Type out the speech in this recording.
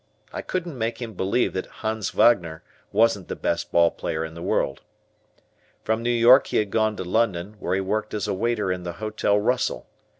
I couldn't make him believe that Hans Wagner wasn't the best ball player in the world. From New York he had gone to London, where he worked as a waiter in the Hotel Russell.